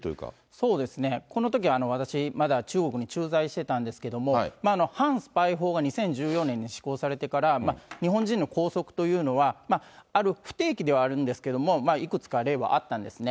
そうですね、このとき、私、まだ中国に駐在してたんですけれども、反スパイ法が２０１４年に施行されてから、日本人の拘束というのは、ある不定期ではあるんですけど、いくつか例はあったんですね。